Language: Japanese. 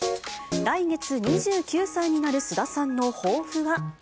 来月２９歳になる菅田さんの抱負は。